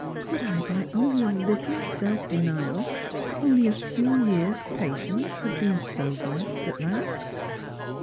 Could I by only a little self denial, only a few years' patience, have been so blessed at last